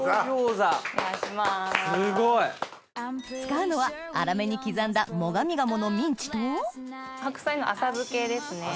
すごい！使うのは粗めに刻んだ最上鴨のミンチと白菜の浅漬けですね。